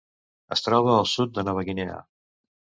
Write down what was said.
Es troba al sud de Nova Guinea.